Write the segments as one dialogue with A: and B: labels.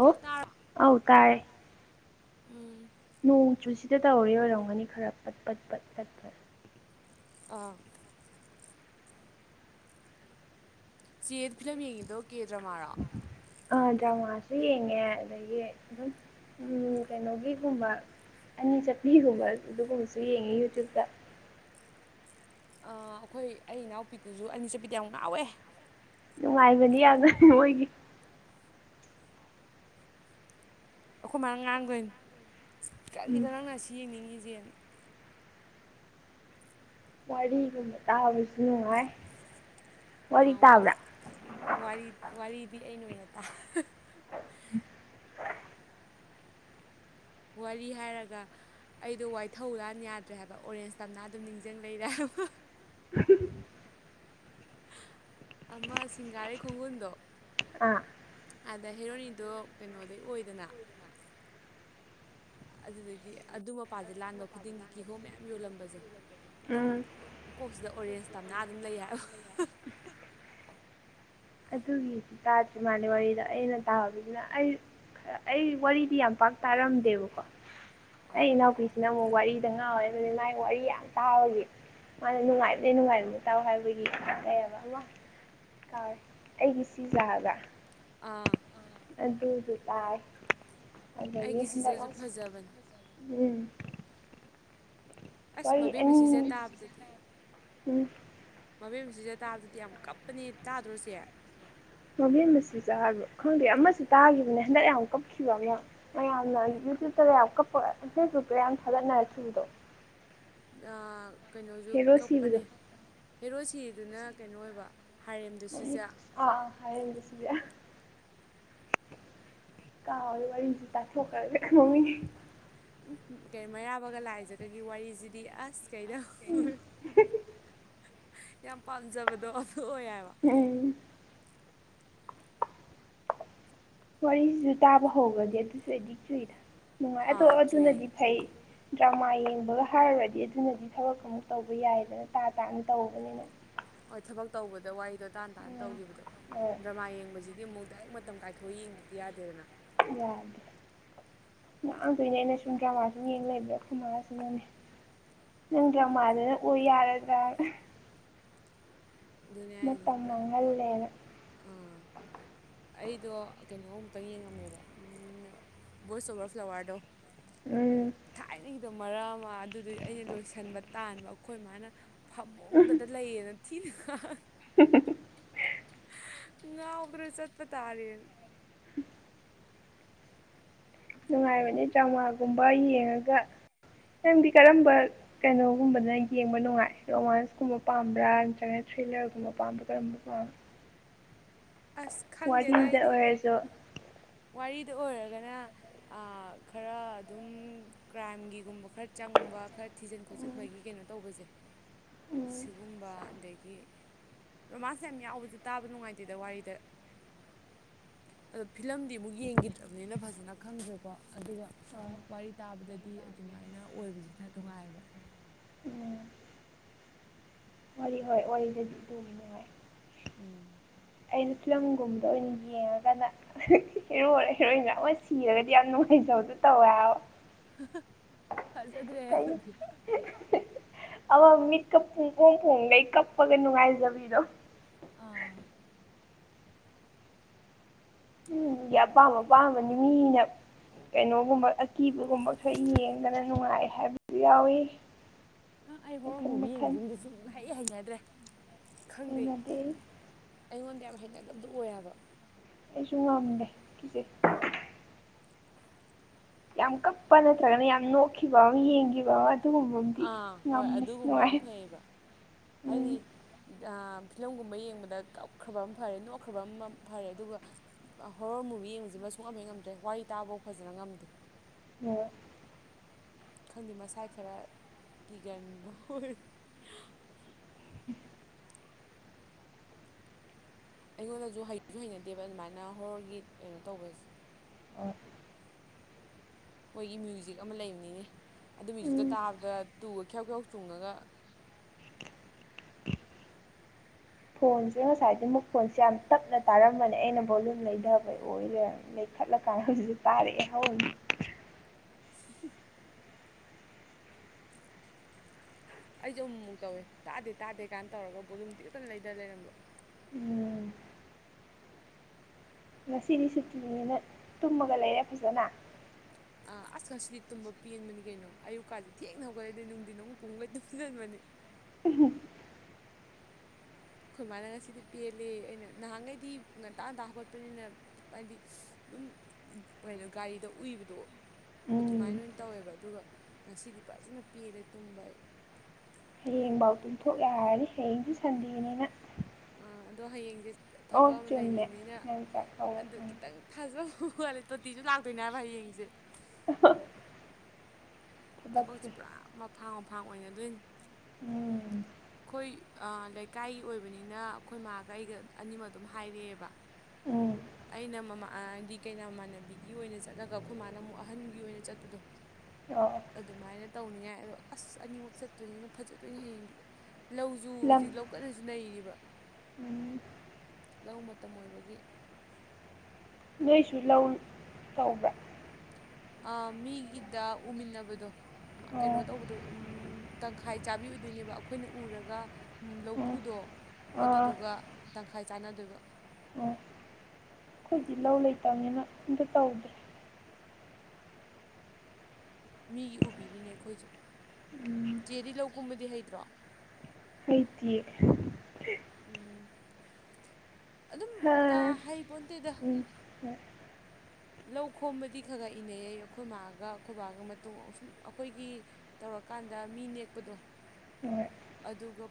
A: ꯆꯦ ꯇꯥꯔ ꯑꯧ ꯇꯥꯢ ꯎꯝ
B: ꯅꯣꯡ ꯆꯨꯁꯤꯗ ꯇꯧꯔꯤ ꯑꯣꯏꯔꯝꯒꯅꯤ ꯈꯔ ꯄꯠ ꯄꯠ ꯄꯠ ꯄꯠ ꯄꯠ
A: ꯑꯥ ꯆꯦ ꯐꯤꯂꯝ ꯌꯦꯡꯉꯤꯗꯣ ꯀꯦ ꯗ꯭ꯔꯃꯥꯔꯣ
B: ꯑ ꯗ꯭ꯔꯃꯁꯨ ꯌꯦꯡꯉꯦ ꯑꯗꯒꯤ ꯑꯗꯨꯝ ꯎꯝ ꯀꯩꯅꯣꯒꯤꯒꯨꯝꯕ ꯑꯅꯤ ꯆꯠꯄꯤꯒꯨꯝꯕ ꯑꯗꯨꯒꯨꯝꯕꯁꯨ ꯌꯦꯡꯉꯤ ꯌꯨꯇ꯭ꯌꯨꯕꯇ
A: ꯑ ꯑꯩꯈꯣꯏ ꯑꯩ ꯏꯅꯥꯎꯄꯤꯗꯨꯨꯁꯨ ꯑꯅꯤ ꯆꯠꯄꯤꯗ ꯌꯥꯝ ꯉꯥꯎꯋꯦ
B: ꯅꯨꯡꯉꯥꯏꯕꯅꯤ ꯌꯥꯝꯅ ꯃꯣꯏꯒꯤ
A: ꯑꯩꯈꯣꯏ ꯃꯥꯅꯥ ꯉꯥꯡꯗꯣꯏꯅꯤ
B: ꯎꯝ
A: ꯀꯔꯤꯗ ꯅꯪꯅ ꯑꯁꯤ ꯌꯦꯡꯅꯤꯡꯉꯤꯁꯦꯅ
B: ꯋꯥꯔꯤꯒꯨꯝꯕ ꯇꯥꯕꯁꯨ ꯅꯨꯡꯉꯥꯏ
A: ꯑ
B: ꯋꯥꯔꯤ ꯇꯥꯕ꯭ꯔꯥ
A: ꯋꯥꯔꯤ ꯋꯥꯔꯤꯗꯤ ꯑꯩꯅ ꯑꯣꯏꯅ ꯇꯥ
B: [inaudible]
A: ꯋꯥꯔꯤ ꯍꯥꯏꯔꯒ ꯑꯩꯗꯣ ꯋꯥꯏꯊꯧ ꯂꯥꯟ ꯌꯥꯗ꯭ꯔꯦ ꯍꯥꯏꯕ ꯑꯣꯔꯦꯟꯖ ꯇꯝꯅ ꯑꯗꯨꯝ ꯅꯤꯡꯁꯤꯡ ꯂꯩꯔꯦ ꯍꯥꯏꯕ ꯑꯃ ꯁꯤꯡꯒꯥꯔꯩ ꯈꯣꯡꯒꯨꯟꯗꯣ
B: ꯑꯥ
A: ꯑꯗ ꯍꯦꯔꯣꯅꯤꯗꯣ ꯀꯩꯅꯣꯗꯩ ꯑꯣꯏꯗꯅ ꯑꯗꯨꯗꯒꯤ ꯑꯗꯨ ꯃꯄꯥꯁꯦ ꯂꯥꯟꯕ ꯈꯨꯗꯤꯡꯒꯤ ꯀꯤꯍꯣꯝ ꯃꯌꯥꯝ ꯌꯣꯜꯂꯝꯕꯁꯦ ꯑꯗꯨꯝ
B: ꯎꯝ
A: ꯀꯣꯛꯁꯤꯗ ꯑꯣꯔꯦꯟꯖ ꯇꯝꯅ ꯑꯗꯨꯝ ꯂꯩ ꯍꯥꯏꯕ
B: ꯑꯗꯨꯒꯤꯗꯤ ꯇꯥꯗ꯭ꯔꯤ ꯃꯥꯂꯦ ꯋꯥꯔꯤꯗꯣ ꯑꯩꯅ ꯇꯥꯕꯗꯨꯅ ꯑꯩ ꯈꯔ ꯑꯩ ꯋꯥꯔꯤꯗꯤ ꯌꯥꯝ ꯄꯥꯛ ꯇꯥꯔꯝꯗꯦꯕꯀꯣ ꯑꯩ
A: ꯑꯥ
B: ꯏꯅꯥꯎꯄꯤꯁꯤꯅ ꯑꯃꯨꯛ ꯋꯥꯔꯤ ꯉꯥꯎꯋꯦ ꯑꯗꯨꯒꯤ ꯃꯥꯏ ꯋꯥꯔꯤ ꯌꯥꯝ ꯇꯥꯕꯒꯤ ꯃꯥꯅ ꯅꯨꯡꯉꯥꯏꯕꯅꯦ ꯅꯨꯡꯉꯥꯏꯕꯅꯦ ꯇꯥꯎ ꯍꯥꯏꯕꯒꯤ ꯐꯩꯌꯦꯕ ꯑꯃ ꯀꯥꯎꯔꯦ [unintelligible] ꯑꯩꯒꯤ ꯁꯤꯖꯥ ꯍꯥꯏꯕꯔꯥ
A: ꯑꯥ
B: ꯑꯗꯨꯗꯨ ꯇꯥꯏ ꯑꯗꯒꯤ ꯍꯟꯗꯛ
A: ꯖꯕꯅꯤ
B: ꯎꯝ
A: ꯑꯁ
B: ꯋꯥꯔꯤ
A: ꯃꯕꯦꯝꯃꯥ ꯁꯤꯖꯥ
B: ꯑꯅꯤ
A: ꯇꯥꯕꯗꯗꯤ
B: ꯎꯝ
A: ꯃꯕꯦꯝꯁꯤꯖꯥ ꯇꯥꯕꯗꯗꯤ ꯌꯥꯝ ꯀꯞꯄꯅꯦ ꯇꯥꯗ꯭ꯔꯣ ꯆꯦ
B: ꯃꯕꯦꯝꯃꯥ ꯁꯤꯖꯥ ꯍꯥꯏꯕꯔꯣ ꯈꯪꯗꯦ ꯑꯃꯁꯨ ꯇꯥꯒꯤꯕꯅꯦ ꯍꯟꯗꯛ ꯌꯥꯝ ꯀꯞꯈꯤꯕ ꯑꯃ ꯃꯌꯥꯝꯅ ꯌꯨꯇ꯭ꯌꯨꯕꯇꯒ ꯌꯥꯝ ꯀꯞꯄ ꯐꯦꯁꯕꯨꯛꯇ ꯌꯥꯝ ꯊꯥꯒꯠꯅꯔꯛꯈꯤꯕꯗꯣ
A: ꯀꯩꯅꯣꯁꯨ
B: ꯍꯦꯔꯣ
A: ꯀꯛꯄꯅꯦ
B: ꯁꯤꯕꯗꯣ
A: ꯍꯦꯔꯣ ꯁꯤꯔꯤꯗꯨꯅ ꯀꯩꯅꯣ ꯑꯣꯏꯕ ꯍꯥꯔꯦꯝꯗꯣ ꯁꯤꯖ
B: [unintelligible] ꯑꯥꯑꯥ ꯍꯥꯔ‌ꯦꯝꯗ ꯁꯤꯖꯥ ꯀꯥꯎꯑꯦ ꯋꯥꯔꯤꯁꯦ ꯇꯥꯥꯊ‌ꯣꯛꯈꯔꯒ ꯃꯃꯤꯡ
A: ꯎꯝ ꯀꯩ ꯃꯩꯔꯥꯕꯒ ꯂꯥꯏꯖꯒꯒꯤ ꯋꯥꯔꯤꯁꯤꯗꯤ ꯑꯁ ꯀꯩꯗ ꯍꯪꯉꯨꯔꯟ ꯌꯥꯝ ꯄꯥꯝꯖꯕꯗꯣ ꯑꯗꯨ ꯑꯣꯏ ꯍꯥꯏꯕ
B: ꯎꯝ ꯋꯥꯔꯤꯁꯤꯁꯨ ꯇꯥꯕ ꯍꯧꯒꯔꯗꯤ ꯑꯗꯨꯁꯨ ꯑ‌ꯦꯗꯤꯛ ꯆꯨꯏꯗ ꯅꯨꯡꯉꯥꯏ ꯑꯗꯣ
A: ꯑꯥ ꯆꯨꯏꯌꯦ
B: ꯑꯗꯨꯅꯗꯤ ꯐꯩ ꯗ꯭ꯔꯃꯥ ꯌꯦꯡꯕꯒ ꯍꯥꯏꯔꯨꯔꯗꯤ ꯑꯗꯨꯅꯗꯤ ꯊꯕꯛ ꯑꯃꯨꯛ ꯇꯧꯕ ꯌꯥꯏꯗꯅ ꯇꯥ ꯇꯥꯅ ꯇꯧꯕꯅꯤꯅ
A: ꯍꯣꯏ ꯊꯕꯛ ꯇꯧꯕꯗ ꯋꯥꯔꯤꯗꯣ ꯇꯥꯥꯟ ꯇꯥꯅ
B: ꯎꯝ
A: ꯇꯧꯈꯤꯕꯗꯣ
B: ꯍꯣꯏ
A: ꯗ꯭ꯔꯃꯥ ꯌꯦꯡꯕꯁꯤꯗꯤ ꯑꯃꯨꯛ ꯗꯥꯏꯔꯦꯛ ꯃꯇꯝ ꯀꯥꯏꯊꯣꯛꯑ ꯌꯦꯡꯗꯗꯤ ꯌꯥꯗꯦꯗꯅ
B: ꯌꯥꯗꯦ ꯉꯥꯡꯗꯣꯏꯅꯦ ꯑꯩꯅ ꯁꯨꯝ ꯗ꯭ꯔꯃꯥꯁꯨꯝ ꯌꯦꯡ ꯂꯩꯕ ꯑꯩꯈꯣꯏ ꯃꯁꯤꯅꯥꯅꯦ ꯅꯪ ꯗ꯭ꯔꯃꯥꯗꯨꯅ ꯑꯣꯏ ꯌꯥꯔꯗ꯭ꯔꯥꯅ
A: ꯑꯗꯨꯅꯦ ꯍꯥꯏꯁꯤ
B: ꯃꯇꯝ ꯃꯥꯡꯍꯜꯂꯦꯅ
A: ꯑꯥ ꯑꯩꯗꯣ ꯀꯩꯅꯣꯃꯨꯛꯇꯪ ꯌꯦꯡꯉꯝꯃꯦꯕ ꯕꯣꯏꯁ ꯑꯣꯕꯔ ꯐ꯭ꯂꯥꯋꯥꯔꯗꯣ
B: ꯎꯝ
A: ꯊꯥꯏꯅꯒꯤꯗꯣ ꯃꯔꯛ ꯑꯃ ꯑꯗꯨꯗꯨꯏ ꯑꯩꯅ ꯂꯣꯏꯁꯟꯕ ꯇꯥꯟꯕ ꯑꯩꯈꯣꯏ ꯃꯥꯅ ꯐꯃꯨꯡꯗꯗ ꯂꯩꯌꯦꯅ ꯊꯤꯅ ꯉꯥꯡ
B: [unintelligible]
A: ꯉꯥꯎꯗꯅ ꯆꯠꯄ ꯇꯥꯥꯔꯦꯅ
B: ꯅꯨꯡꯉꯥꯏꯕꯅꯤ ꯗꯔ꯭ꯃꯥꯒꯨꯝꯕ ꯌꯦꯡꯉꯒ ꯅꯪꯗꯤ ꯀꯔꯝꯕ ꯀꯩꯅꯣꯒꯨꯝꯕꯅ ꯌꯦꯡꯕ ꯅꯨꯡꯉꯥꯏ ꯔꯣꯃꯥꯟꯁꯀꯨꯝꯕ ꯄꯥꯝꯕ꯭ꯔꯥ ꯅꯠꯇ꯭ꯔꯒ ꯊ꯭ꯔꯤꯂꯔꯒꯨꯝꯕ ꯄꯥꯝꯕ꯭ꯔꯥ ꯀꯔꯝꯕꯥ ꯄꯥꯝ
A: ꯑꯁ ꯈꯪꯗꯦꯗ
B: ꯋꯥꯔꯤꯗ
A: ꯑꯩꯗꯤ
B: ꯑꯣꯏꯔꯖꯨ
A: ꯋꯥꯔꯤꯗ ꯑꯣꯏꯔꯒꯅ ꯈꯔ ꯑꯗꯨꯝ ꯀ꯭ꯔꯥꯏꯝꯒꯤꯒꯨꯝꯕ ꯈꯔ ꯆꯪꯕ ꯈꯔ ꯊꯤꯖꯤꯟ
B: ꯎꯝ
A: ꯈꯣꯠꯆꯤꯟꯕꯒꯤ ꯀꯩꯅꯣ ꯇꯧꯕꯁꯦ
B: ꯎꯝ
A: ꯁꯤꯒꯨꯝꯕ ꯑꯗꯒꯤ ꯔꯣꯃꯥꯟꯁ ꯌꯥꯝ ꯌꯥꯎꯕꯁꯨ ꯇꯥꯕ ꯅꯨꯡꯉꯥꯏꯇꯦꯗ ꯋꯥꯔꯤꯗ ꯑꯗ‌ꯣ ꯐ ꯐꯤꯂꯝꯗꯤ ꯑꯃꯨꯛ ꯌꯦꯡꯈꯤꯗ꯭ꯔꯕꯅꯤꯅ ꯐꯖꯅ ꯈꯪꯗ꯭ꯔꯦꯀꯣ ꯑꯗꯨꯒ
B: ꯍꯣꯏ
A: ꯋꯥꯔꯤ ꯇꯥꯕꯗꯗꯤ ꯑꯗꯨꯃꯥꯏꯅ ꯑꯣꯏꯕꯖꯤꯅ ꯅꯨꯡꯉꯥꯏꯕ
B: ꯎꯝ ꯋꯥꯔꯤ ꯍꯣꯏ ꯋꯥꯔꯤꯗꯗꯤ ꯑꯗꯨꯝꯕ ꯅꯨꯡꯉꯥꯏ
A: ꯎꯝ
B: ꯑꯩꯅ ꯐꯤꯂꯝꯒꯨꯝꯕ ꯑꯣꯏꯅ ꯌꯦꯡꯉꯒꯅ ꯍꯤꯔꯣꯔ ꯍ‌ꯦꯔꯣꯏꯟꯂ ꯑꯃ ꯁꯤꯔꯒꯗꯤ ꯌꯥꯝ ꯅꯨꯡꯉꯥꯏꯖꯕꯗ‌ꯣ ꯇꯧꯋꯦ ꯑꯕ
A: ꯐꯖꯗ꯭ꯔꯦ
B: ꯀꯩꯅ‌ꯣ
A: ꯑꯗꯨꯗꯤ
B: [unintelligible] ꯑꯃ ꯃꯤꯠꯀ ꯄꯨꯡꯄ‌ꯣꯝꯡ ꯄ‌ꯣꯡꯒꯩ ꯀꯞꯄꯒ ꯅꯨꯡꯉꯥꯏꯖꯕꯤꯗꯣ
A: ꯑꯥ
B: ꯎꯝ ꯒꯤ ꯑꯄꯥꯝꯕꯄꯥꯝꯕꯅꯤ ꯃꯤꯅ ꯀꯩꯅꯣꯒꯨꯝꯕ ꯑꯀꯤꯕꯒꯨꯝꯕ ꯈꯔ ꯌꯦꯡꯗꯅ ꯅꯨꯡꯉꯥꯏ ꯍꯥꯏꯕꯁꯨ ꯌꯥꯎꯋꯤ
A: ꯑ ꯑꯩ ꯍꯣꯔ‌ꯣꯔ
B: ꯃꯈꯟ
A: ꯃꯨꯚꯤ
B: ꯃꯈꯟ
A: ꯌꯦꯡꯕꯁꯤꯃꯗꯤ ꯁꯨꯡ ꯍꯩ ꯍꯩꯅꯗ꯭ꯔꯦ ꯈꯪꯗꯦ
B: ꯍꯩꯅꯗꯦ
A: ꯑꯩꯉꯣꯟꯗ ꯌꯥꯝ ꯍꯩꯅꯗꯕꯗꯣ ꯑꯣꯏ ꯍꯥꯏꯕ
B: ꯑꯩꯁꯨ ꯉꯝꯗꯦ ꯀꯤꯖꯩ ꯌꯥꯝ ꯀꯞꯄ ꯅꯠꯇ꯭ꯔꯒꯅ ꯌꯥꯝ ꯅꯣꯛꯈꯤꯕ ꯑꯃ ꯌꯦꯡꯈꯤꯕ ꯑꯃ ꯑꯗꯨꯒꯨꯝꯕ ꯑꯃꯗꯤ
A: ꯑꯥ ꯍꯣꯏ
B: ꯉꯝꯃꯦ
A: ꯑꯗꯨꯒꯨꯝꯕ ꯑꯃ
B: ꯅꯨꯡꯉꯥꯏ
A: ꯐꯩꯌꯦꯕ ꯍꯥꯏꯗꯤ
B: ꯎꯝ
A: ꯑꯥ ꯐꯤꯂꯝꯒꯨꯝꯕ ꯌꯦꯡꯕꯗ ꯀꯞꯈ꯭ꯔꯕ ꯑꯃ ꯐꯔꯦ ꯅꯣꯛꯈ꯭ꯔꯕ ꯑꯃ ꯐꯔꯦ ꯑꯗꯨꯒ ꯍꯣꯔ‌ꯣꯔ ꯃꯨꯚꯤ ꯌꯦꯡꯕꯁꯤꯃ ꯁꯨꯛꯉꯝ ꯍ‌ꯦꯛ ꯉꯝꯗ꯭ꯔꯦ ꯋꯥꯔꯤ ꯇꯥꯕꯐꯥꯎ ꯐꯖꯅ ꯉꯝꯗꯦ
B: ꯑꯣꯝ
A: ꯈꯪꯗꯦ ꯃꯁꯥꯏ ꯈꯔ ꯀꯤꯒꯟꯕ ꯑꯣꯏ
B: [unintelligible]
A: ꯑꯩꯉꯣꯟꯗꯁꯨ ꯍꯩꯁꯨ ꯍꯩꯅꯗꯦꯕ ꯑꯗꯨꯃꯥꯏꯅ ꯍꯣꯔꯒꯤ ꯀꯩꯅꯣ ꯇꯧꯕꯁꯦ ꯃꯣꯏꯒꯤ ꯃ꯭ꯌꯨꯖꯤꯛ ꯑꯃ ꯂꯩꯕꯅꯤꯅꯦ ꯑꯗꯨ ꯃ꯭ꯌꯨꯖꯤꯛꯇꯣ
B: ꯎꯝ
A: ꯇꯥꯕꯗ ꯇꯨꯒ ꯈꯦꯌꯥꯎ ꯈꯦꯌꯥꯎ ꯆꯨꯡꯉꯒ
B: ꯐꯣꯟꯁꯦ ꯉꯁꯥꯏꯗꯤ ꯃꯈꯣꯟꯁꯦ ꯌꯥꯝ ꯇꯞꯅ ꯇꯥꯔꯝꯕꯅꯦ ꯑꯩꯅ ꯕꯣꯂꯨꯝ ꯂꯩꯗꯕꯩ ꯑꯣꯏꯔꯦ ꯅꯩꯊꯠꯂꯀꯥꯟꯗ ꯍꯧꯖꯤꯛꯁꯨ ꯇꯥꯔꯛꯑꯦ ꯍꯧꯅ
A: [unintelligible] ꯑꯩꯁꯨ ꯑꯃꯨꯛꯃꯨꯛ ꯇꯧꯋꯦ ꯇꯥꯗꯦ ꯇꯥꯗꯦ ꯀꯥꯟꯅ ꯇꯧꯔꯒ ꯕꯣꯂꯨꯝ ꯇꯤꯈꯠꯇꯅ ꯂꯩꯗ ꯂꯩꯔꯝꯕ
B: ꯎꯝ ꯉꯁꯤꯗꯤ ꯁꯨꯇꯤꯅꯤꯅ ꯇꯨꯝꯃꯒ ꯂꯩꯔꯦ ꯐꯖꯅ
A: ꯑ ꯑꯁ ꯉꯁꯤꯗꯤ ꯇꯨꯝꯕ ꯄꯦꯟꯕꯅꯤ ꯀꯩꯅꯣ ꯑꯌꯨꯛꯀꯥꯁꯦ ꯊꯦꯡꯅ ꯍꯧꯒꯠꯂꯦꯗꯩ ꯅꯨꯡꯗꯤꯟ ꯑꯃꯨꯛ ꯄꯨꯡꯈꯩ ꯇꯨꯝꯁꯤꯟꯕꯅꯦ ꯑꯩꯈꯣꯏ ꯃꯥꯅ ꯉꯁꯤꯗꯤ ꯄꯦꯜꯂꯦ ꯑꯩꯅ ꯅꯍꯥꯟꯈꯩꯗꯤ ꯉꯟꯇꯥ ꯉꯟꯇꯥ ꯍꯧꯒꯣꯠꯄꯅꯤꯅ ꯍꯥꯏꯗꯤ ꯑꯗꯨꯝ ꯀꯩꯅꯣ ꯒꯥꯔꯤꯗ ꯎꯏꯕꯗꯣ ꯑꯗꯨꯃꯥꯏꯅ
B: ꯎꯝ
A: ꯑꯣꯏꯅ ꯇꯧꯋꯦꯕ ꯑꯗꯨꯒ ꯉꯁꯤꯗꯤ ꯐꯖꯅ ꯄꯦꯜꯂꯦ ꯑꯩ ꯇꯨꯝꯕ
B: ꯍꯌꯦꯡꯐꯥꯎ ꯇꯨꯝꯊꯣꯛ ꯌꯥꯔꯅꯤ ꯍꯌꯦꯡꯗꯤ ꯁꯟꯗꯦꯅꯤꯅ
A: ꯑꯥ ꯑꯗꯣ ꯍꯌꯦꯡꯁꯦ
B: ꯑꯣ
A: ꯊꯕꯛ ꯑꯃ
B: ꯆꯨꯝꯃꯦ
A: ꯂꯩꯔꯤꯕꯅꯤꯅ
B: ꯅꯪ ꯆꯥꯛ ꯀꯧꯔꯛ
A: ꯑꯗꯨ ꯈꯤꯇꯪ ꯊꯥꯖꯕ ꯋꯥꯠꯂꯦ ꯇꯣꯇꯤꯁꯨ ꯂꯥꯛꯇꯣꯏꯅꯦꯕ ꯍꯌꯦꯡꯁꯦ
B: [inaudible]
A: ꯊꯕꯛꯁꯦ ꯄꯨꯔꯥ ꯃꯐꯥꯡ ꯃꯐꯥꯡ ꯑꯣꯏꯅꯗꯣꯏꯅꯤ
B: ꯎꯝ
A: ꯑꯥ ꯂꯩꯀꯥꯏꯒꯤ ꯑꯣꯏꯕꯅꯤꯅ ꯑꯩꯈꯣꯏ ꯃꯥꯒ ꯑꯩꯒ ꯑꯅꯤꯃꯛ ꯑꯗꯨꯝ ꯍꯥꯏꯔꯛꯑꯦꯕ
B: ꯎꯝ
A: ꯑꯩꯅ ꯃꯃꯥ ꯍꯥꯏꯗꯤ ꯀꯩꯅꯥꯃꯥꯃꯣꯟꯅꯕꯤꯒꯤ ꯑꯣꯏꯅ ꯆꯠꯂꯒ ꯑꯩꯈꯣꯏ ꯃꯥꯅ ꯑꯃꯨꯛ ꯑꯍꯟꯒꯤ ꯑꯣꯏꯅ ꯆꯠꯄꯗꯣ
B: [unintelligible]
A: ꯑꯗꯨꯃꯥꯏꯅ ꯇꯧꯅꯤꯡꯉꯥꯏ ꯑꯗꯣ ꯑꯁ ꯑꯅꯤꯃꯛ ꯆꯠꯇꯣꯏꯅꯤꯅ ꯐꯖꯗꯣꯏꯅꯦ ꯍꯌꯦꯡꯗꯤ ꯂꯧꯁꯨꯨ ꯍꯧꯖꯤꯛ
B: ꯂꯝ
A: ꯂꯧ ꯀꯟꯅꯁꯨ ꯅꯩꯔꯤꯕ
B: ꯎꯝ
A: ꯂꯧ ꯃꯇꯝ ꯑꯣꯏꯕꯒꯤ
B: ꯅꯣꯏꯁꯨ ꯂꯧ ꯇꯧꯕ꯭ꯔꯥ
A: ꯑꯥ ꯃꯤꯒꯤꯗ ꯎꯃꯤꯟꯅꯕꯗꯣ ꯀꯩꯅꯣ
B: ꯑꯣ
A: ꯇꯧꯕꯗꯣ ꯎꯝ ꯇꯪꯈꯥꯏ ꯆꯥꯕꯤ ꯑꯣꯏꯗꯣꯏꯅꯦꯕ ꯑꯩꯈꯣꯏꯅ ꯎꯔꯒ
B: ꯑꯣ
A: ꯂꯧꯄꯨꯗꯣ
B: ꯑꯥ
A: ꯑꯗꯨꯗꯨꯒ ꯇꯪꯈꯥꯏ ꯆꯥꯟꯅꯗꯣꯏꯕ
B: ꯈꯣꯏꯗꯤ ꯂꯧ ꯂꯩꯇꯝꯅꯤꯅ ꯑꯝꯇ ꯇꯧꯗꯦ
A: ꯃꯤꯒꯤ ꯎꯕꯤꯔꯤꯅꯦ ꯑꯩꯈꯣꯏꯁꯨ
B: ꯎꯝ
A: ꯆꯦꯗꯤ ꯂꯧꯀꯨꯝꯕꯗꯤ ꯍꯩꯇ꯭ꯔꯣ
B: ꯍꯩꯇꯤꯌꯦ
A: ꯎꯝ ꯑꯗꯨꯝ ꯀꯥ
B: ꯍꯥ
A: ꯍꯩꯄꯣꯟꯇꯦꯗ
B: ꯎꯝ
A: ꯂꯧ ꯈꯣꯝꯕꯗꯤ ꯈꯔ ꯈꯔ ꯏꯅꯩ ꯑꯩ ꯑꯩꯈꯣꯏ ꯃꯥꯒ ꯑꯩꯈꯣꯏꯕꯥꯒ ꯃꯇꯨꯡꯁꯨꯝ ꯑꯩꯈꯣꯏꯒꯤ ꯇꯧꯔꯀꯥꯟꯗ ꯃꯤ ꯅꯦꯛꯄꯗꯣ
B: ꯍꯣꯏ ꯍꯣꯏ
A: ꯑꯗꯨꯒ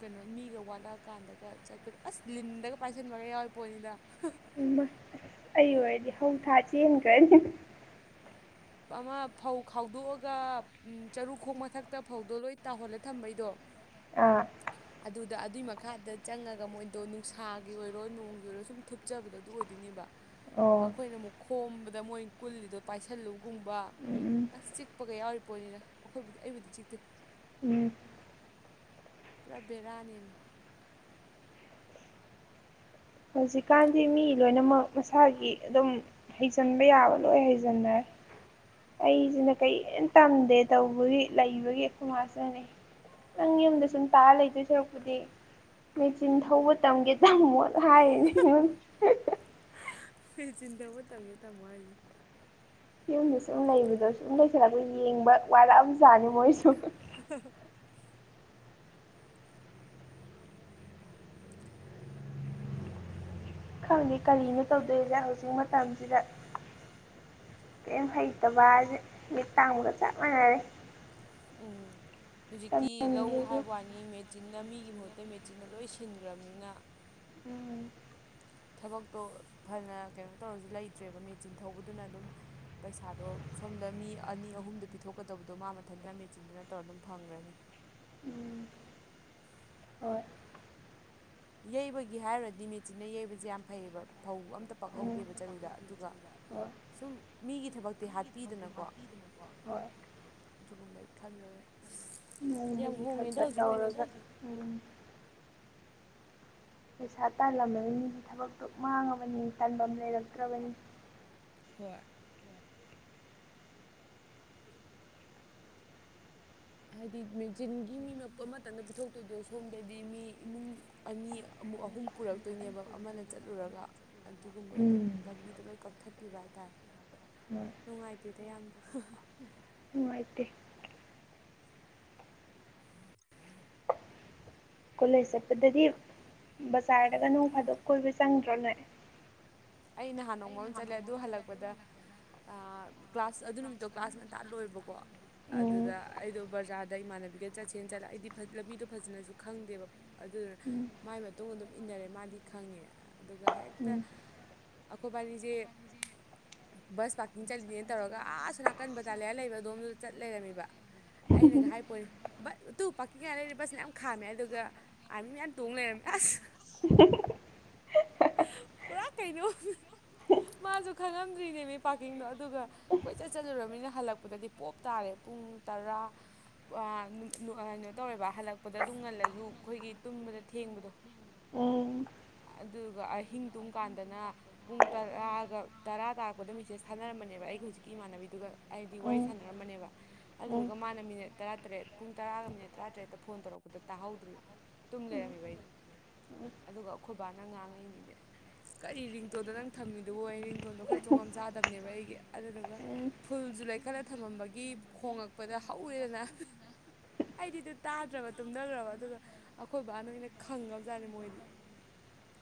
A: ꯀꯩꯅꯣ ꯃꯤꯒ ꯋꯥꯠꯂꯛꯑꯀꯥꯟꯗꯒ ꯆꯠꯄꯗ ꯑꯁ ꯂꯤꯟꯗꯒ ꯄꯥꯏꯁꯟꯕꯒ ꯌꯥꯎꯔꯤ ꯄꯣꯠꯅꯤꯗ
B: ꯏꯝꯃꯥꯏ ꯑꯩ ꯑꯣꯏꯔꯗꯤ ꯍꯧ ꯊꯥ ꯆꯦꯟꯒ꯭ꯔꯥꯅꯤ
A: ꯑꯃ ꯐꯧ ꯈꯥꯎꯗꯣꯛꯑꯒ ꯎꯝ ꯆꯔꯨꯈꯣꯡ ꯃꯊꯛꯇ ꯐꯧꯗꯣ ꯂꯣꯏ ꯇꯥꯎꯍꯜꯂꯥ ꯊꯝꯕꯩꯗꯣ
B: ꯑꯥ
A: ꯑꯗꯨꯗ ꯑꯗꯨꯒꯤ ꯃꯈꯥꯗ ꯆꯪꯉꯒ ꯃꯣꯏꯗꯣ ꯅꯨꯡꯁꯥꯒꯤ ꯑꯣꯏꯔꯣ ꯅꯣꯡꯒꯤ ꯑꯣꯏꯔꯣ ꯁꯨꯝ ꯊꯨꯞꯆꯕꯗꯣ ꯑꯗꯨ ꯑꯣꯏꯗꯣꯏꯅꯦꯕ
B: ꯑꯣ
A: ꯑꯩꯈꯣꯏꯅ ꯑꯃꯨꯛ ꯈꯣꯝꯕꯗ ꯃꯣꯏ ꯀꯨꯜꯂꯤꯗꯣ ꯄꯥꯏꯁꯜꯂꯨ ꯒꯨꯝꯕ
B: ꯎꯝ
A: ꯑꯁ ꯆꯤꯛꯄꯒ ꯌꯥꯎꯔꯤ ꯄꯣꯠꯅꯤꯗ ꯑꯩꯈꯣꯏꯕꯨꯗꯤ ꯑꯩꯕꯨꯗꯤ ꯆꯤꯛꯇꯦ
B: ꯎꯝ
A: ꯄꯨꯔꯥ ꯕꯦꯔꯥꯅꯦꯃꯦ
B: ꯍꯧꯖꯤꯛꯀꯥꯟꯗꯤ ꯃꯤ ꯂꯣꯏꯅꯃꯛ ꯃꯁꯥꯒꯤ ꯑꯗꯨꯝ ꯍꯩꯖꯤꯟꯕ ꯌꯥꯕ ꯂꯣꯏ ꯍꯩꯖꯤꯟꯅꯔꯦ ꯑꯩꯁꯤꯅ ꯀꯔꯤꯝ ꯇꯝꯗꯦ ꯇꯧꯕꯒꯤ ꯂꯩꯕꯒꯤ ꯈꯣꯏꯃꯥꯁꯤꯅꯅꯦ ꯅꯪ ꯌꯨꯝꯗ ꯁꯨꯝ ꯇꯥꯔꯥ ꯂꯩꯗꯣꯏ ꯁꯔꯛꯄꯨꯗꯤ ꯃꯦꯆꯤꯟ ꯊꯧꯕ ꯇꯝꯒꯦ ꯇꯝꯃꯣ ꯍꯥꯏꯔꯤꯅꯦ [unintelligible]
A: ꯃꯦꯆꯤꯟ ꯊꯧꯕꯥ ꯇꯝꯒꯦ ꯇꯝꯃꯣ ꯍꯥꯏꯖꯤ
B: ꯌꯨꯝꯗ ꯁꯨꯝ ꯂꯩꯕꯗꯁꯨ ꯁꯨꯝ ꯂꯩꯁꯤꯜꯂꯛꯄ ꯌꯦꯡꯕ ꯋꯥꯠꯔꯛꯑꯕꯖꯥꯠꯅꯤ ꯃꯣꯏ
A: [unintelligible]
B: ꯈꯪꯉꯦ ꯀꯔꯤꯅꯣ ꯇꯧꯗꯣꯏꯁꯦ ꯍꯧꯖꯤꯛ ꯃꯇꯝꯁꯤꯗ ꯀꯦꯝ ꯍꯩꯇꯕ ꯍꯥꯏꯁꯦ ꯃꯤꯠ ꯇꯥꯡꯕꯒ ꯆꯞ ꯃꯥꯟꯅꯔꯦ
A: ꯎꯝ ꯍꯧꯖꯤꯛꯇꯤ ꯂꯧ
B: ꯇꯝꯍꯟꯒꯦꯁꯨ
A: ꯍꯥꯏꯕ ꯋꯥꯅꯤ ꯃꯦꯆꯤꯟꯅ ꯃꯤꯒꯤ ꯃꯍꯨꯠꯇ ꯃꯦꯆꯤꯟꯅ ꯂꯣꯏ ꯁꯤꯟꯒ꯭ꯔꯅꯤꯅ
B: [unintelligible]
A: ꯊꯕꯛꯇꯣ ꯐꯅ ꯀꯩꯅꯣ ꯇꯧꯔꯁꯨ ꯂꯩꯇ꯭ꯔꯦꯕ ꯃꯦꯆꯤꯟ ꯊꯧꯕꯗꯨꯅ ꯑꯗꯨꯝ ꯄꯩꯁꯥꯗꯣ ꯁꯣꯝꯗ ꯃꯤ ꯑꯅꯤ ꯑꯍꯨꯝꯗ ꯄꯤꯊꯣꯛꯀꯗꯕꯗꯣ ꯃꯥ ꯃꯊꯟꯇꯅ ꯃꯦꯆꯤꯟꯗꯨꯅ ꯇꯧꯔ ꯑꯗꯨꯝ ꯐꯪꯒ꯭ꯔꯅꯤ
B: ꯎꯝ ꯍꯣꯏ
A: ꯌꯩꯕꯒꯤ ꯍꯥꯏꯔꯨꯔꯗꯤ ꯃꯦꯠꯆꯤꯟꯅ ꯌꯩꯕꯁꯦ ꯌꯥꯝ ꯐꯩꯑꯌꯦꯕ ꯐꯧ ꯑꯝꯇ
B: ꯎꯝ
A: ꯄꯛꯍꯧꯗꯦꯕ ꯆꯔꯨꯗ ꯑꯗꯨꯒ
B: ꯍꯣꯏ
A: ꯁꯨꯝ ꯃꯤꯒꯤ ꯊꯕꯛꯇꯤ ꯍꯥꯠꯄꯤꯗꯅꯀꯣ
B: ꯍꯣꯏ
A: ꯑꯗꯨꯒꯨꯝꯕꯩ ꯈꯜꯂ [unintelligible]
B: ꯎ ꯍꯧꯖꯤꯛ ꯈꯛꯇ ꯇꯧꯔꯒꯠ ꯄꯩꯁꯥ ꯇꯥꯜꯂꯝꯂꯅꯤ ꯊꯕꯛꯇꯣ ꯃꯥꯡꯉꯕꯅꯤ ꯇꯥꯟꯐꯝ ꯂꯩꯔꯛꯇ꯭ꯔꯕꯅꯤ
A: ꯍꯣꯏ ꯍꯥꯏꯗꯤ ꯃꯦꯆꯤꯟꯒꯤ ꯃꯤ [unintelligible] ꯑꯃꯇꯅ ꯄꯤꯊꯣꯛꯇꯣꯏꯗꯣ ꯁꯣꯝꯗꯗꯤ ꯃꯤ ꯏꯃꯨꯡ ꯑꯅꯤ ꯑꯃꯨꯛ ꯑꯍꯨꯝ ꯄꯨꯔꯛꯇꯣꯏꯅꯦꯕ ꯑꯃꯅ ꯆꯠꯂꯨꯔꯒ ꯑꯗꯨꯒꯨꯝꯕꯩꯗꯣ ꯂꯝꯕꯤꯗꯣ ꯂꯣꯏ ꯀꯛꯊꯠꯄꯤꯕ ꯍꯥꯏꯇꯥꯔꯦ ꯅꯨꯡꯉꯥꯏꯇꯦꯗ ꯌꯥꯝꯅ
B: ꯅꯨꯡꯉꯥꯏꯇꯦ
A: [inaudible]
B: ꯀꯣꯂꯦꯖ ꯆꯠꯄꯗꯗꯤ ꯕꯖꯥꯔꯗꯒ ꯅꯣꯡ ꯐꯥꯗꯣꯛ ꯀꯣꯏꯕ ꯆꯪꯗ꯭ꯔꯅꯣꯏ
A: ꯑꯩ ꯅꯍꯥꯟ ꯅꯣꯡꯃ ꯑꯃ ꯆꯠꯂꯦ ꯑꯗꯨ ꯍꯜꯂꯛꯄꯗ ꯀ꯭ꯂꯥꯁ ꯑꯗꯨ ꯅꯨꯃꯤꯠꯇꯣ ꯀ꯭ꯂꯥꯁ ꯉꯟꯇ ꯇꯥꯜꯂꯣꯏꯕꯀꯣ
B: ꯎꯝ
A: ꯑꯗꯨꯗ ꯑꯩꯗꯣ ꯕꯖꯥꯔꯗ ꯏꯃꯥꯟꯅꯕꯤꯒ ꯆꯠꯁꯦꯅ ꯆꯠꯂ ꯑꯩꯗꯤ ꯂꯝꯕꯤꯗꯣ ꯐꯖꯅꯁꯨ ꯈꯪꯗꯦꯕ ꯑꯗꯨ
B: ꯎꯝ
A: ꯃꯥꯏ ꯃꯇꯨꯡꯗ ꯑꯗꯨꯝ ꯏꯟꯅꯔꯦ ꯃꯥꯗꯤ ꯈꯪꯉꯦ ꯑꯗꯨꯒ ꯍꯦꯛꯇ ꯑꯈꯣꯏꯕꯥꯅꯤꯖꯦ ꯕꯁ ꯄꯥꯔꯀꯤꯡ ꯆꯠꯂꯤꯅꯦꯅ ꯇꯧꯔꯒ ꯑꯥꯁꯨ ꯅꯥꯀꯟ ꯕꯇꯥ [unintelligible] ꯂꯩꯕ ꯑꯗꯣꯝꯗꯨꯗ ꯆꯠ ꯂꯩꯔꯝꯃꯤꯕ ꯑꯩꯅꯒ ꯍꯥꯏ ꯄꯣꯅꯤ ꯕ ꯑꯗꯨ ꯄꯥꯔꯀꯤꯡ ꯀꯥꯏꯅ [unintelligible] ꯕꯁ ꯃꯌꯥꯝ ꯈꯥꯝꯃꯦ ꯑꯗꯨꯒ ꯑꯔꯃꯤ ꯃꯌꯥꯝ ꯇꯣꯡ ꯂꯩꯔꯝ ꯑꯁ
B: [unintelligible]
A: ꯄꯨꯔꯥ ꯀꯩꯅꯣ ꯃꯥꯁꯨ ꯈꯪꯉꯝꯗ꯭ꯔꯤꯅꯦꯃꯤ ꯄꯥꯔꯀꯤꯡꯗꯣ ꯑꯗꯨꯒ ꯀꯣꯏꯆꯠ ꯆꯠꯂꯨꯨꯔꯃꯤꯅ ꯍꯜꯂꯛꯄꯗꯗꯤ ꯄꯣꯞ ꯇꯥꯔꯦ ꯄꯨꯡ ꯇꯔꯥ [unintelligible] ꯀꯩꯅꯣ ꯇꯧꯔꯦꯕ ꯍꯜꯂꯛꯄꯗ ꯑꯗꯨꯝ ꯉꯜꯂꯁꯨ ꯑꯩꯈꯣꯏꯒꯤ ꯇꯨꯝꯕꯗ ꯊꯦꯡꯕꯗꯣ
B: ꯎꯝ
A: ꯑꯗꯨꯒ ꯑꯍꯤꯡ ꯇꯨꯝꯀꯥꯟꯗꯅ ꯄꯨꯡ ꯇꯔꯥꯒ ꯇꯔꯥ ꯇꯥꯔꯛꯄꯗ ꯃꯤꯁꯦꯁ ꯊꯥꯅꯔꯝꯕꯅꯦꯕ ꯑꯩꯒꯤ ꯍꯧꯖꯤꯛꯀꯤ ꯏꯃꯥꯟꯅꯕꯤꯗꯨꯒ ꯑꯩꯗꯤ ꯋꯥꯔꯤ
B: ꯎꯝ
A: ꯁꯥꯟꯅꯔꯝꯕꯅꯦꯕ
B: ꯎꯝ ꯎꯝ
A: ꯑꯗꯨꯗꯨꯒ ꯃꯥꯅ ꯃꯤꯅꯠ ꯇꯔꯥꯇꯔꯦꯠ ꯄꯨꯡ ꯇꯔꯥꯒ ꯃꯤꯅꯤꯠ ꯇꯔꯥꯇꯔꯦꯠꯇ ꯐꯣꯟ ꯇꯧꯔꯛꯄꯗ ꯇꯥꯍꯧꯗ꯭ꯔꯤꯕ ꯇꯨꯝ ꯂꯩꯔꯝꯃꯤꯕ ꯑꯩꯗꯤ ꯑꯗꯨꯒ ꯑꯩꯈꯣꯏꯕꯥꯅ ꯉꯥꯡꯉꯤ ꯅꯦ ꯀꯔꯤ ꯔꯤꯡꯇꯣꯟꯗꯣ ꯅꯪ ꯊꯝꯃꯤꯗꯨꯕꯣ ꯑꯩ ꯔꯤꯡꯇꯣꯟꯗꯣ ꯈꯔ ꯆꯣꯡꯉꯝ ꯆꯥꯗꯕꯅꯦꯕ ꯑꯩꯒꯤ ꯑꯗꯨꯗꯨꯒ
B: ꯎꯝ
A: ꯐꯨꯜꯁꯨ ꯂꯩꯈꯠꯂ ꯊꯝꯃꯝꯕꯒꯤ ꯈꯣꯡꯂꯛꯄꯗ ꯍꯧꯔꯦꯗꯅ ꯑꯩꯗꯤ ꯑꯗꯨ ꯇꯥꯗ꯭ꯔꯕ ꯇꯨꯝꯊꯈ꯭ꯔꯕ ꯑꯗꯨꯒ ꯑꯩꯈꯣꯏ ꯕꯕꯥ ꯅꯣꯏꯅ ꯈꯪꯉꯕ ꯖꯥꯠꯅꯦ ꯃꯣꯏꯗꯤ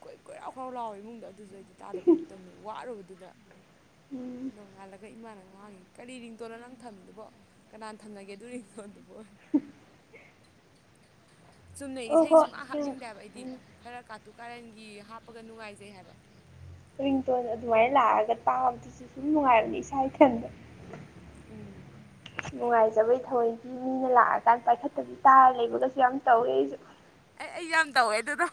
A: ꯀꯣꯏ ꯀꯣꯏꯔꯥꯎ ꯈꯔꯥꯎ ꯂꯥꯎꯋꯦ ꯏꯃꯨꯡꯗꯣ ꯑꯗꯨꯁꯨ ꯑꯩꯗꯤ ꯇꯥꯗꯕꯤ ꯑꯗꯨꯝ ꯇꯝꯃꯦ ꯋꯥꯔꯨꯕꯗꯨꯗ
B: ꯎꯝ
A: ꯅꯣꯡꯉꯥꯜꯂꯒ ꯏꯃꯥꯅ ꯉꯥꯡꯉꯤ ꯀꯔꯤ ꯔꯤꯡꯇꯣꯟꯅꯣ ꯅꯪ ꯊꯝꯃꯤꯗꯨꯕꯣ ꯀꯅꯥꯅ ꯊꯝꯅꯒꯦ ꯑꯗꯨꯔꯤꯇꯣꯟꯗꯕꯣꯏ
B: [inaudible]
A: ꯆꯨꯝꯅ
B: ꯑꯣ
A: ꯏꯁꯩ
B: ꯍꯣꯏ
A: ꯁꯨꯡꯉꯥ
B: ꯎꯝ
A: ꯍꯥꯞꯅꯤꯡꯗꯕ ꯑꯩꯗꯤ
B: ꯎꯝ
A: ꯈꯔ ꯀꯥꯇꯨ ꯀꯥꯔꯟꯒꯤ ꯍꯥꯞ ꯄꯒ ꯅꯨꯡꯉꯥꯏꯖꯩ ꯍꯥꯏꯕ
B: ꯔꯤꯡꯇꯣꯟ ꯑꯗꯨꯃꯥꯏꯅ ꯂꯥꯛꯑꯒ ꯇꯥꯕꯗꯨꯁꯨ ꯁꯨꯝ ꯅꯨꯡꯉꯥꯏꯕꯅꯤ ꯏꯁꯥ ꯏꯊꯟꯗ
A: ꯎꯝ
B: ꯅꯨꯡꯉꯥꯏꯖꯕꯩ ꯊꯑꯣꯏꯗꯤ ꯃꯤꯅ ꯂꯥꯛꯑꯀꯥꯟ ꯄꯥꯏꯈꯠꯇꯗꯤ ꯇꯥꯔ ꯂꯩꯕꯒꯁꯨ ꯌꯥꯝ ꯇꯧꯋꯦ ꯑꯩꯁꯨ
A: ꯑꯩ ꯑꯩ ꯌꯥꯝ ꯇꯧꯋꯦ ꯑꯗꯨꯗꯣ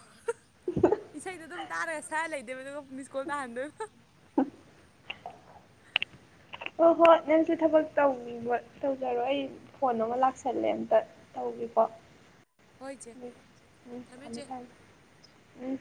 A: ꯏꯁꯩꯗꯣ ꯑꯗꯨꯝ ꯇꯥꯔꯒ ꯁꯔ ꯂꯩꯗꯦꯕ ꯑꯗꯨꯒ ꯃꯤꯁꯀꯣꯜ ꯇꯥꯍꯟꯗꯣꯏꯕꯣ
B: ꯍꯣꯏ ꯍꯣꯏ ꯅꯪꯁꯨ ꯊꯕꯛ ꯇ ꯇꯧꯖꯔꯣ ꯑꯩ ꯐꯣꯟ ꯑꯃ ꯂꯥꯛꯁꯜꯂꯦ ꯑꯝꯇ ꯇꯧꯕꯤꯀꯣ
A: ꯍꯣꯏ ꯆꯦ
B: ꯎꯝ ꯊꯝꯃꯦ ꯊꯝꯃꯦ ꯎꯝ